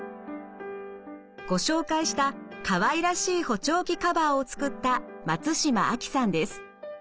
ご紹介したかわいらしい補聴器カバーを作った松島亜希さんです。